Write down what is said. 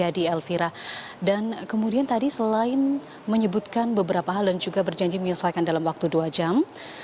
dan kemudian tadi selain menyebutkan beberapa hal dan juga berjanji menyelesaikan dalam waktu dua jam